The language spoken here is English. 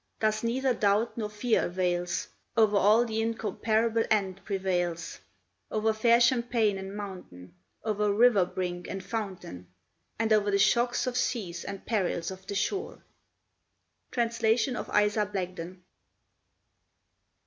Thus neither doubt nor fear avails; O'er all the incomparable End prevails, O'er fair champaign and mountain, O'er river brink and fountain, And o'er the shocks of seas and perils of the shore. Translation of Isa Blagden.